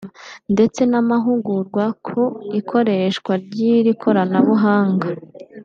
ndetse n’amahugurwa ku ikoreshwa ry’iri koranabuhanga